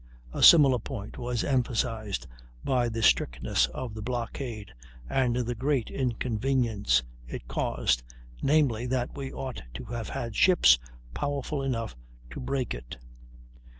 A similar point was emphasized by the strictness of the blockade, and the great inconvenience it caused; namely, that we ought to have had ships powerful enough to break it.